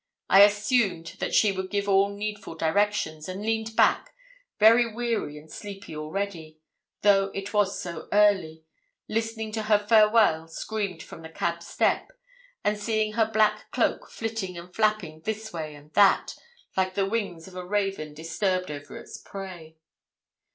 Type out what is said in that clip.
I assumed that she would give all needful directions, and leaned back, very weary and sleepy already, though it was so early, listening to her farewell screamed from the cab step, and seeing her black cloak flitting and flapping this way and that, like the wings of a raven disturbed over its prey.